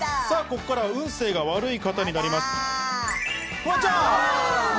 ここからは運勢が悪い方になります。